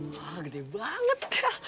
wah gede banget